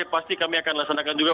pasti kami akan laksanakan juga